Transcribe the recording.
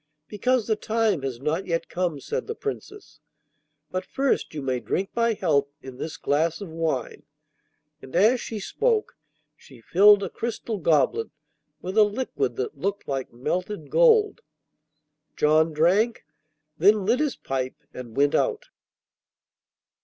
'Because the time has not yet come,' said the Princess. 'But first you may drink my health in this glass of wine,' and as she spoke she filled a crystal goblet with a liquid that looked like melted gold. John drank, then lit his pipe and went out.